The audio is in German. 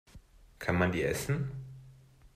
Kann man die essen?